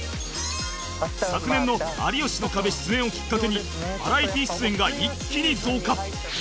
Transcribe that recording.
昨年の『有吉の壁』出演をきっかけにバラエティー出演が一気に増加